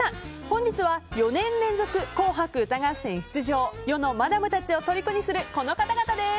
本日は４年連続「紅白歌合戦」出場世のマダムたちをとりこにするこの方々です。